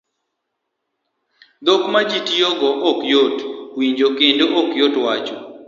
Dhok ma ji tiyo go ok yot winjo kendo ok yot wacho